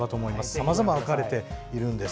さまざま、分かれているんです。